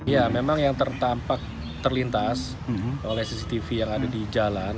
ya memang yang tertampak terlintas oleh cctv yang ada di jalan